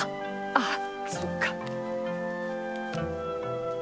・ああそっか。